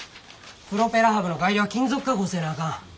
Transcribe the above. プロペラハブの改良は金属加工せなあかん。